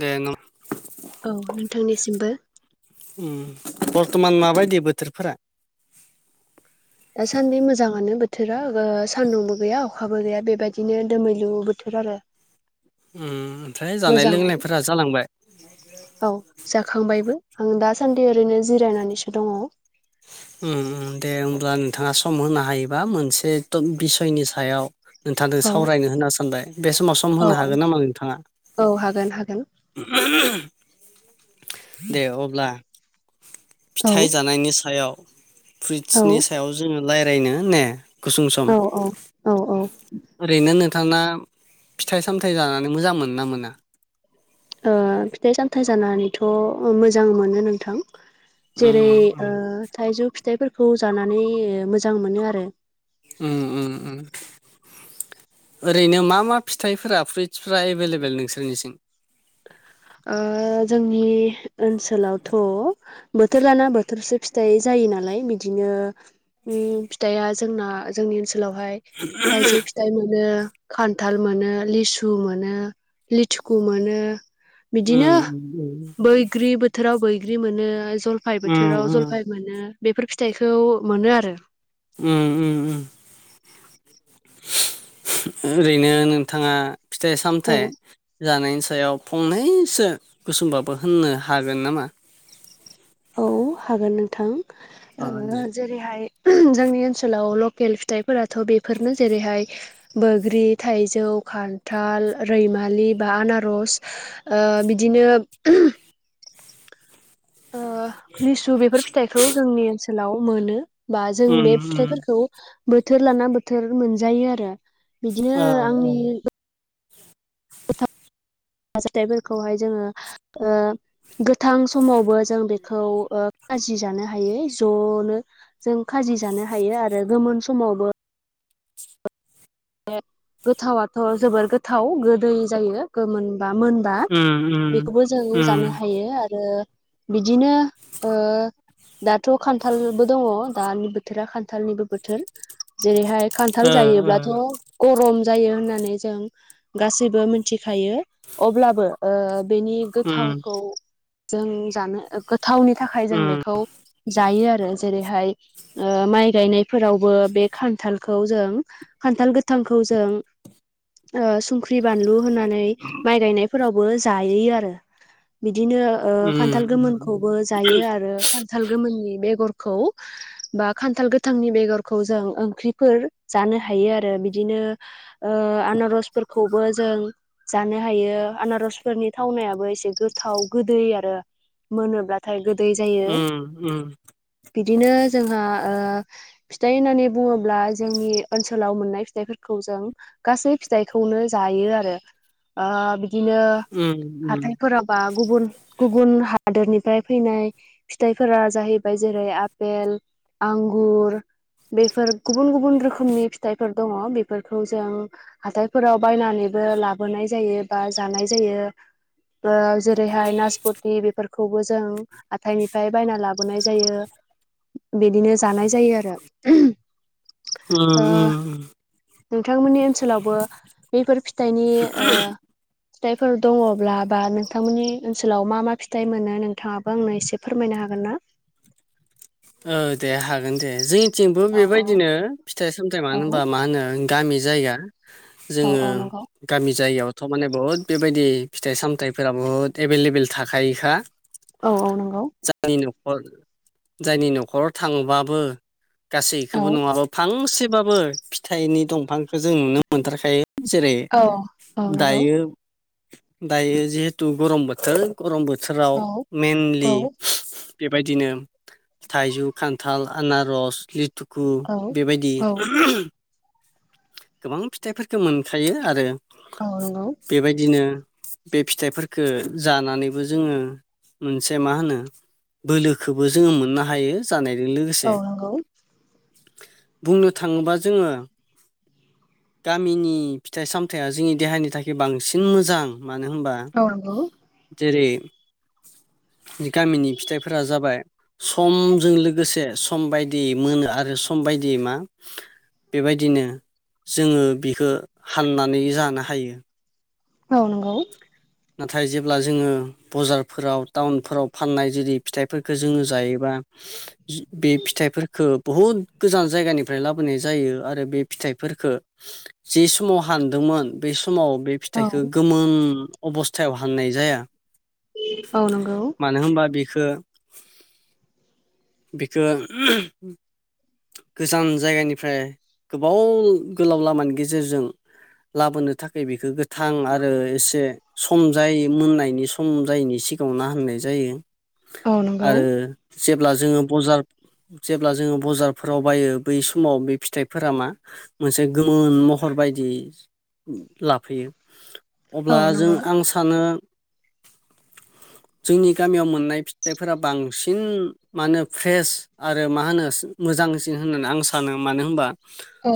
दे नों औ नोंथांनिसिमबो। उम बरथ'मान माबायदि बोथोरफोरा? दासान्दि मोजाङानो बोथोरा ओ सान्दुंबो गैया अखाबो गैया बेबायदिनो दोमैलु बोथोर आरो [inaudible] ओम ओमफ्राय जानाय मोजाङानो लोंनायफोरा जालांबाय औ जाखांबायबो आं दासान्दि ओरैनो जिरायनानैसो दङ। उम उम दे होमब्ला नोंथाङा सम होनो हायोबा मोनसे थ बिसयनि सायाव नोंथांजों सावरायनो होनना सानबाय बे समाव सम औ होनो हागोन नामा नोंथाङा? औ हागोन हागोन दे अब्ला औ फिथाइ जानायनि सायाव औ फ्रिसनि सायाव जोङो रायज्लायनो ने गुसुं सम औ औ औ ओ ओरैनो नोंथाङा फिथाइ सामथायाइ जानानै मोजां मोनो ना मोना? ओ फिथाइ सामथाइ जानानैथ' मोजां मोनो नोंथां। जेरै उम ओ थाइजौ फिथाइफोरखौ जानानै ओ मोजां मोनो आरो उम उम उम। ओरैनो मा मा फिथाइफोरा फ्रुइट्सफोरा एभेलेबल नोंसोरनिथिं? ओ जोंनि ओनसोलावथ' बोथोर लाना बोथोरसो फिथाइ जायो नालाय बिदिनो ओम फिथाइआ जोंना जोंनि ओनसोलावहाय थाइजौ फि थाय मोनो खान्थाल मोनो लिसु मोनो लिथिखु मोनो। बिदिनो उम उम उम बैग्रि बो थोराव बैग्रि मोनो जलफाइ उम बोथोराव जलफाय मोनो बेफोर फिथाइखौ मोनो आरो उम उम उम ओरैनो नोंथाङा फिथाइ औ सामथाइ जानायनि सायाव फंनैसो गुसुंबाबो होननो हागोन नामा। औ हागोन नोंथां‌ अ ओ दे जेरैहाय जोंनि ओनसोलाव लकेल फिथाइफोराथ' बेफोरनो जेरैहाय बैग्रि थाइजौ खान्थाल रैमालि बा आनारस ओ बिदिनो ओ लिसु बेफोर फिथाइखौ जोंनि ओनसोलाव मोनो बा जों उम बे उम फिथाइफोरखौ बोथोर लाना बोथोर मोनजायो आरो बिदिनो ओ ओ आंनि [unintelligible] फिथाय फोरखौ जोङो ओ गोथां समावबो जों बेखौ ओ खाजि जानो हायो ज'नो। जों खाजि जानो हायो आरो गोमोन समावबो। बे गोथावाथ' जबोर गोथाव गोदै जायो गोमोनबा मोनो। बा उम उम बेखौ जों जानो उम हायो आरो बिदिनो। दाथ' खान्थालबो दङ दानि बोथोरा खान्थालनिबो बोथोर। जेरैहाय खान्थाल ओ ओ जायोब्ला। गरम जाय। अब्लाबो ओ बेनि उम उम गोथावखौ जों जानो। गोथावनि थाखाय जों बेखौ जायो आरो जेरैहाय ओ माइ गायनायफोरावबो बे खान्थालखौ जों खान्थाल गोथांखौ जों ओ संख्रि बानलु होनानै माइ गायनाय फोरावबो जायो आरो बिदिनो ओ उम खान्थाल गोमोनखौबो जायो आरो खान्थाल गोमोननि बेगरखौ बा खान्थाल गोथांनि बेगरखौ जों ओंख्रिफोर जानो हायो आरो बिदिनो ओ आनारसफोरखौबो जों जानो हायो आनारसफोरनि थावनायाबो एसे गोथाव गोदै आरो मोनोब्लाथाय गोदै जायो उम उम बिदिनो जोंहा फिथाइ होननानै बुङोब्ला जोंनि ओनसोलाव मोननाय फिथाइफोरखौ जों गासै फिथाइखौनो जायो आरो बिदिनो उम उम हाथायफोराव बा गुबुन गुबुन हादोरनिफ्राय फैनाय फिथाइफोरा जाहैबाय जेरै आपेल आंगुर बेफोर गुबुन गुबुन रोखोमनि फिथाइफोर दङ बेफोरखौ जों हाथायफोराव बायनानैबो लाबोनाय जायो बा जानाय जायो जेरैहाय नासपत दि बेफोरखौबो जों हाथाइनिफ्राय बायना लाबोनाय जायो बिदिनो जानाय जायो आरो ओ उ नोंथांमोननि ओनसोलावबो बेफोर फिथाइनि फिथाइफोर दङब्ला बा नोंथांमोननि ओनसोलाव मा मा फिथाइ मोनो नोंथाङाबो आंनो एसे फोरमायनो हागोन ना औ दे हागोन दे जोंनिथिंबो औ बेबायदिनो फिथाइ सामथायाइ औ मानो होनबा मा होनो गामि जायगा औ जोङो औ नंगौ गामि जायगायावथ' माने बहुद बेबायदि फिथाइ सामथाइफोरा बुहुत एभेलेबल थाखायोखा औ औ नंगौ जायनि न'खराव थाङोबाबो औ गासैखौबो नङाबा फांसेबाबो फिथाइनि दंफांखौो जों नुनो मोनथारखायो जेरै औ औ नंगौ दायो दायो जिहेथु गरम बोथोर गरम बोथोराव औ औ मेनलि बेबायदिनो थाइजौ खान्थाल आनारस लिथुखु औ बेबायदि औ गोबां फिथाइफोरखौ मोनखायो आरो औ नंगौ बेबायदिनो बे फिथाइफोरख जानानैबो जोङो मोनसे मा होनो बोलोखौबो जोङो मोननो हायो जानायजों लोगोसे औ नंगौ बुंनो थाङोब्ला जोङो गामिनि फिथाइ सामथायाइया जोंनि देहानि थाखाय बांसिन मोजां मानो होनबा औ जेरै गामिनि फिथाइफोरा जाबाय समजों लोगोसे सम बायदि मोनो आरो सम बायदिय मा बेबायदिनो जोङो बिखौो हाननानै जानो हायो औ नंगौ नाथाय जेब्ला जोङो बजारफोराव टाउनफोराव फाननाय जुदि फिथाइफोरखौ जोङो जायोबा बे फिथाइफोरखौ बहुद गोजान जायगानिफ्राय लाबोनाय जायो आरो बे फिथाइफोरफोरखौ जे समाव हानदोंमोन बे समाव बे औ फिथाइखो गोमोन अबस्थायाव हानाय जाया औ नंगौ मानो होनबा बिखौ बिखौ गोजान जायगानिफ्राय गोबाव गोलाव लामानि गेजेरजों लाबोनो थाखाय बेखौ गोथां आरो एसे सम जाय मोननायनि सम जायैनि सिगाङाव ना होननाय जायो औ नंगौ आरो जेब्ला जोङोार जेब्ला जोङो बजार फोराव बायो बै समाव बे फिथाइफोरा मा मोनसे गोमोन महर बायदि लाफैयो औ अब्ला जों नंगौ आं सानो जोंनि गामियाव मोननाय फिथाइफोरा बांसिन मा होनो फ्रेस आरो मा होनो मोजांसिन होननानै आं सानो मानो होनबा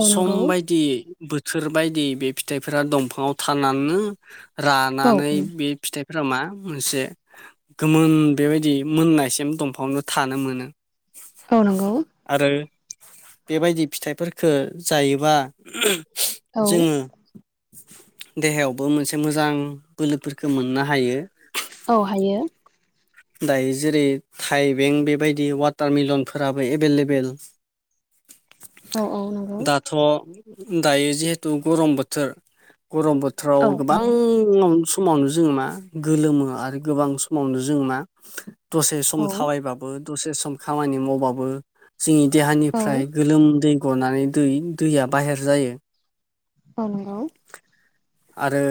औ सम नंगौ बायदि बोथोर बायदि बे फिथाइफोरा दंफाङाव थानानैनो औ रानानै बे फिथाइफोरा मा मोनसे गोमोन बेबायदि मोननायसिम दंफांनो थानो मोनो औ नंगौ आरो बेबायदि फिथाइफोरखौ जायोबा औ जोङो देहायावबो मोनसे मोजां बोलोफोरखौ मोननो हायो औ हायो दायो जेरै थाइबें बेबायदि वाटार मिलनफोराबो एभेलेबेल औ औ नंगौ दाथ' दायो जिहेथु गरम बोथोर गरम बोथोर बोथोराव औ नंगौ गोबां समावनो जोङो मा गोलोमो आरो गोबां समावनो जोङो मा दसे सम औ थाबायबाबो दसे सम खामानि मावबाबो जोंनि औ देहानिफ्राय गोलोमदै गरनानै दै दैया बाहेर जायो औ नंगौ आरो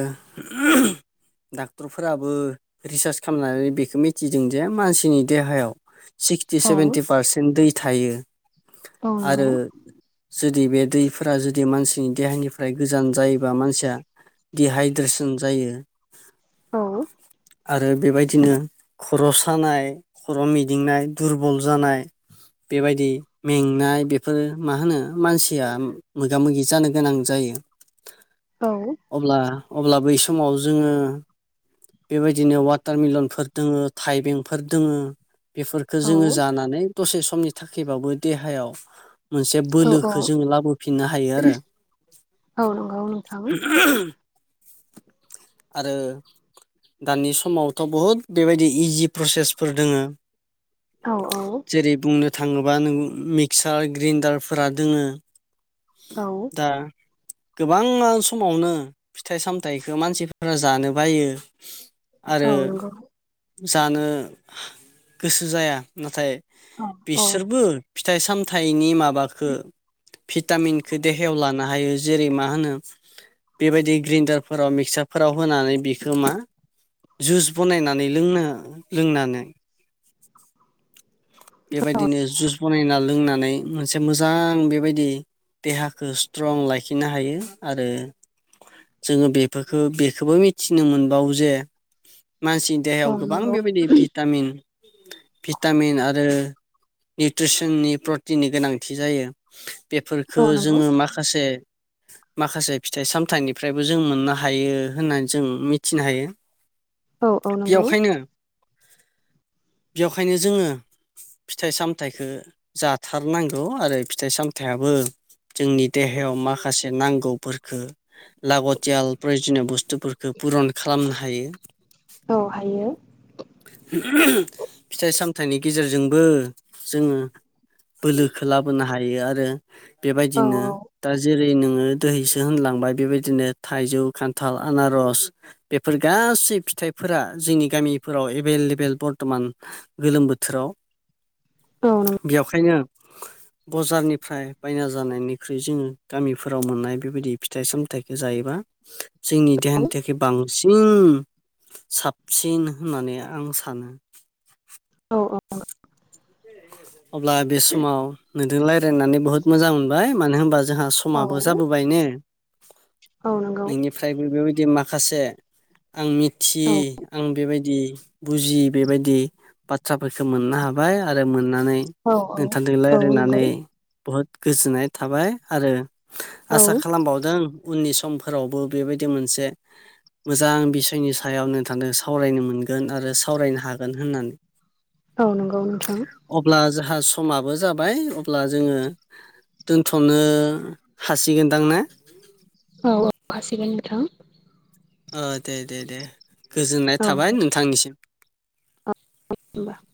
डाक्टरफोराबो रिसार्च खालामनानै बेखौ मिथि थिदों जे मानसिनि देहायाव सिक्सटि औ सेभेन्टि पारसेन्ट दै थायो औ नंगौ आरो जुदि बे दैफोरा जुदि मानसिनि देहानिफ्राय गोजान जायोबा मानसिया दिहाइद्रेसन जायो अ आरो बेबायदिनो खर' सानाय खर' मिदिंनाय दुरबल जानाय बेबायदि मेंनाय बेफोरो मा होनो मानसिया मोगा मोगि जानो गोनां जायो औ अब्ला अब्ला बै समाव जोङो बेबायदिनो वाटारमलनफोर दङो थाइबेंफोर दोङ बेफोरफोरखौ औ जोङो जानानै दसे समनि थाखायबाबो देहायाव मोनसे औ बोलोखौ औ जोङो लाबोफिननो हायो आरो औ नंगौ औ नोंथां आरो दानि समावथ' बहुद बेबायदि इजि प्रसेसफोर दोङो औ औ जेरै बुंनो थाङोब्ला नों मिक्सार ग्रेन्डारफोरा दोङो औ दा गोबां समावनो फिथाइ सामथायाइखौ मानसिफोरा जानो बायो आरो औ नंगौ जानो गोसो जाया नाथाय औ औ बिसोरबो फिथाइ सामथाइनि माबाखो भिटामिनखौ देहायाव लानो हायो जेरै मा होनो बेबायदि ग्रेन्न्दारफोराव मिक्सारफोराव होनानै बेखौ मा जुस बनायना नै लोङो लोंनानै बेबायदिनो जुस बनायना लोंनानै मोनसे मोजां बेबायदि देहाखौ स्ट्रं लाखिनो हायो आरो जोङो बेफोरखौ बेखौबो मिथिनो मोनबावो जे मानसि देहायाव औ गोबां नंगौ बेबायदि भिटामिन भिटामिन आरो आरो निउट्रिसननि प्रटिननि गोनांथि जायो बेफोरखौ औ नंगौ जोङो माखासे माखासे फिथाइ सामथाइनिफ्रायबो जों मोननो हायो होननानै जों मिथ थिनो हायो औ औ नंगौ बेयावखायनो बेयावखायनो जोङो फिथाइ सामथाइखो जाथारनांगौ आरो फिथाइ सामथाइयाबो जोंनि देहायाव माखासे नांगौफोरखो लागतियाल प्रयजनिय बुस्थुफोरखौ पुरन खालामनो हायो। औ हायो। फिथाइ सामथाइनि गेजेरजोंबो जोङो बोलोखो लाबोनो हायो आरो औ बेबायदिनो दा जेरै नोङो दैसो होनलांबाय बेबायदिनो थाइजौ खान्थाल आनारस। बेफोर गासै फिथाइफोरा जोंनि गामिफोराव एभेलेबेल बर्थ'मान। गोलोम बोथोराव। औ नं बेखायनो बजारनिफ्राय बायना जानायनिख्रुइ जोङो गामिफोराव मोननाय बेबायदि फिथाइ सामथायाइखौ जायोबा [inaudible] जोंनि देहानि थाखाय बांसिन साबसिन होननानै आं सानो। औ औ। [inaudible] अब्ला बे समाव नोंदों रायज्लायनानै बुहुत मोजां मोनबाय मानो होनबा जोंहा स औ समाबो जाबोबायनो। औ नंगौ। ओमफ्राय बेबायदि माखासे आं औ मिथियै आं बेबायदि बुजियि बेबायदि बाथ्राफोरखौ मोननो हाबाय आरो मोननानै औ औ औ नोंथांजों नंगौ औ रायलायनानै बहुद गोजोननाय थाबाय आरो आसा खालामबावदों उननि समफोरावबो बेबायदि मोनसे मोजां बिसयनि सायाव नोंथांदों सावरायनो मोनगोन आरो सावरायनो हागोन होननानै। औ नंगौ नोंथां। अब्ला जोंहा समाबो जाबाय अब्ला जोङो दोनथ'नो हासिगोनदां ने औ औ हासिगोन नोंथां। अ दे दे दे गोजोननाय औ थाबाय दे नोंथांनिसिम। [unintelligible]